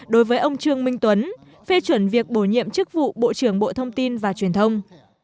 đối với ông trương minh tuấn phê chuẩn việc bổ nhiệm chức vụ bộ trưởng bộ thông tin và truyền thông